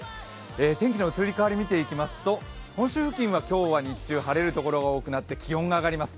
天気の移り変わり見ていきますと本州付近は今日日中晴れるところが多くなって気温が上がります。